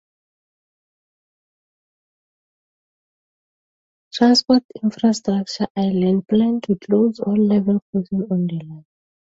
Transport Infrastructure Ireland planned to close all level crossings on the line.